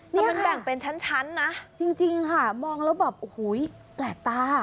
นี่มันแบ่งเป็นชั้นนะจริงค่ะมองแล้วแบบโอ้โหแปลกตา